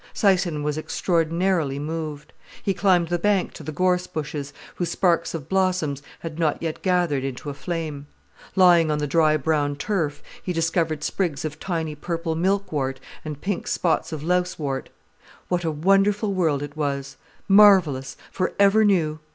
Syson was extraordinarily moved. He climbed the bank to the gorse bushes, whose sparks of blossom had not yet gathered into a flame. Lying on the dry brown turf, he discovered sprigs of tiny purple milkwort and pink spots of lousewort. What a wonderful world it was—marvellous, for ever new.